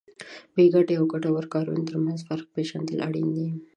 بې ګټې او ګټورو کارونو ترمنځ فرق پېژندل اړین دي.